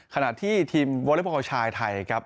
ขณะที่ทีมโวรีย์พอร์ชายไทยครับ